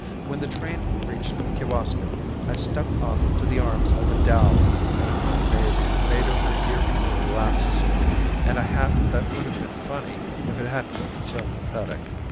When the train reached Kewaskum I stepped off into the arms of a dowd in a home made made over year before last suit, and a hat that would have been funny if it hadn't been so pathetic.